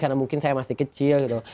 karena mungkin saya masih kecil gitu